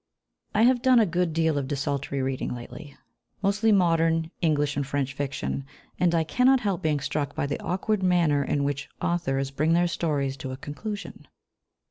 I have done a good deal of desultory reading lately, mostly modern English and French fiction, and I cannot help being struck by the awkward manner in which authors bring their stories to a conclusion.